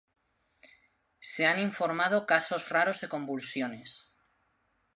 Se han informado casos raros de convulsiones.